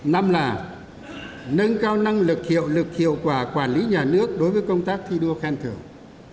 năm là nâng cao năng lực hiệu lực hiệu quả quản lý nhà nước đối với công tác thi đua khen thưởng